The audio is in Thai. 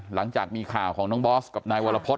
หลังจากมีข่าวของน้องบอสกับนายวรพฤษ